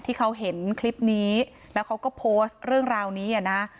ที่เขาเห็นคลิปนี้แล้วเขาก็โพสต์เรื่องราวนี้อ่ะนะ